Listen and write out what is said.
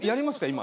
今。